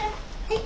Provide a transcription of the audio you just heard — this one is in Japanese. はい。